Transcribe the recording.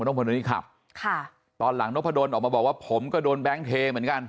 พลคนนี้ขับค่ะตอนหลังนกพะดนออกมาบอกว่าผมก็โดนแบงค์เทเหมือนกัน